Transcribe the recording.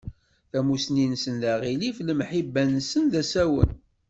Tamusni-nsen d aɣilif, lemḥiba-nsen d asawen.